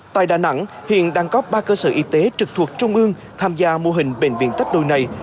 tại đà nẵng hiện đang có ba cơ sở y tế trực thuộc trung ương tham gia mô hình bệnh viện tách đôi này